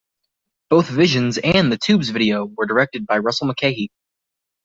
Both "Visions" and "The Tubes Video" were directed by Russell Mulcahy.